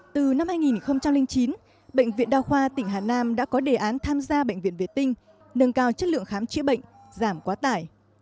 từ năm hai nghìn chín bệnh viện đa khoa tỉnh hà nam đã có đề án tham gia bệnh viện vệ tinh nâng cao chất lượng khám chữa bệnh giảm quá tải